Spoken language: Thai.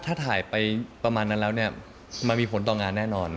ถ้าถ่ายไปประมาณนั้นแล้วเนี่ยมันมีผลต่องานแน่นอน